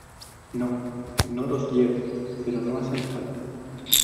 no, no los llevo , pero no hacen falta.